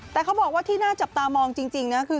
แต่เขาบอกว่าที่น่าจับตามองจริงนะคือ